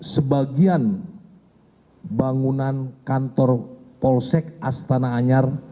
sebagian bangunan kantor polsek astana anyar